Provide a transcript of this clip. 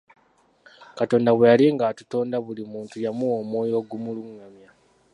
Katonda bwe yali ng'atutonda buli muntu yamuwa omwoyo ogumulungamya.